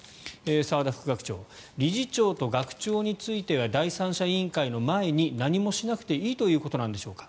澤田副学長理事長と学長については第三者委員会の前に何もしなくていいということなんでしょうか